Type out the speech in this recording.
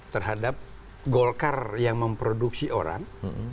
terhadap golkar yang memproduksi orang